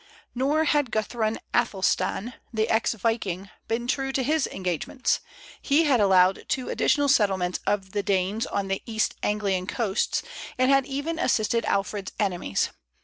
Nor had Guthrun Athelstan, the ex viking, been true to his engagements. He had allowed two additional settlements of Danes on the East Anglian coasts, and had even assisted Alfred's enemies.